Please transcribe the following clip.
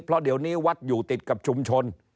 เพราะเดี๋ยวนี้วัดอยู่ติดกับชุมชน